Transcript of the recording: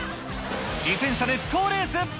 自転車熱湯レース。